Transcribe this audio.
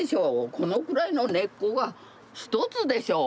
このくらいの根っこが一つでしょう。